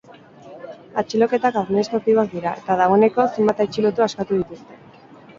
Atxiloketak administratiboak dira eta dagoeneko zenbait atxilotu askatu dituzte.